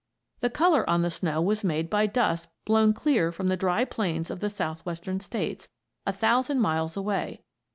The color on the snow was made by dust blown clear from the dry plains of the Southwestern States, a thousand miles away.